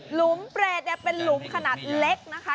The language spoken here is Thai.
หลุมเปรตเนี่ยเป็นหลุมขนาดเล็กนะคะ